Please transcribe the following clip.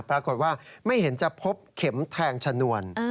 ปรากฏว่าไม่เห็นจะพบเข็มแทงชนวน